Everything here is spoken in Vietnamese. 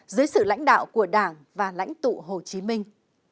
dưới sự lãnh đạo của đảng và lãnh tụ hồ chí minh